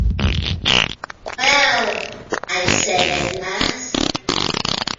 “Well” — I said at last.